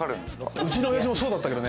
うちの親父もそうだったけどね。